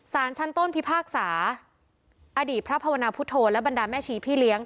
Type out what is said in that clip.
สารชั้นต้นพิพากษาอดีตพระภาวนาพุทธโธและบรรดาแม่ชีพี่เลี้ยง